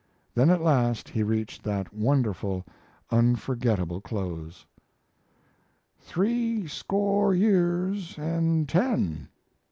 Then, at last, he reached that wonderful, unforgetable close: Threescore years and ten!